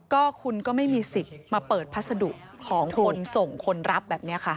ก็คุณก็ไม่มีสิทธิ์มาเปิดพัสดุของคนส่งคนรับแบบนี้ค่ะ